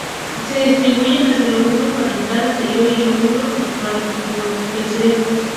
Se distribuyen hacia el "lóbulo parietal anterior" y el "lóbulo temporal posterior" del cerebro.